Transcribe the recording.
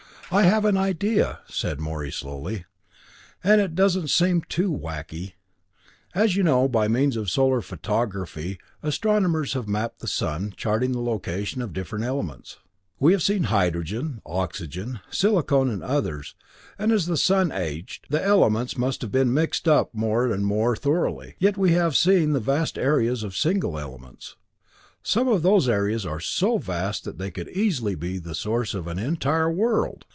"I have an idea," said Morey slowly, "and it doesn't seem too wacky. As you know, by means of solar photography, astronomers have mapped the sun, charting the location of the different elements. We've seen hydrogen, oxygen, silicon and others, and as the sun aged, the elements must have been mixed up more and more thoroughly. Yet we have seen the vast areas of single elements. Some of those areas are so vast that they could easily be the source of an entire world!